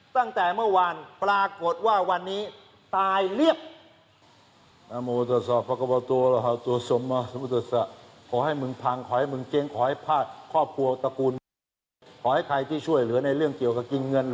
ตั้งแต่เมื่อวานปรากฏว่าวันนี้ตายเรียบ